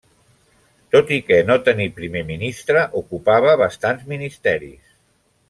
Tot i que no tenir Primer Ministre, ocupava bastants ministeris.